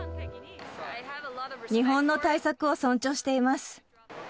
日本の対策を尊重しています。